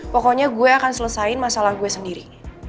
pokoknya gue akan selesaiin masalah gue sendiri